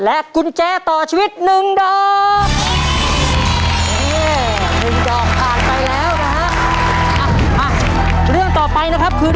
กุญแจต่อชีวิตหนึ่งดอก